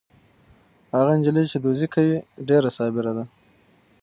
هغه نجلۍ چې دوزي کوي ډېره صابره ده.